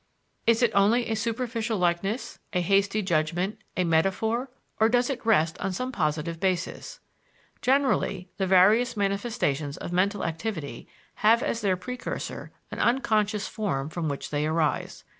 Is it only a superficial likeness, a hasty judgment, a metaphor, or does it rest on some positive basis? Generally, the various manifestations of mental activity have as their precursor an unconscious form from which they arise.